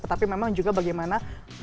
tetapi memang juga bagaimana